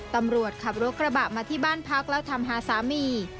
ตำรวจขับรถกระบะมาที่บ้านพักแล้วทำหาสามี